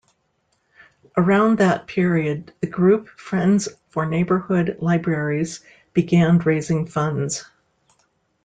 Around that period the group Friends for Neighborhood Libraries began raising funds.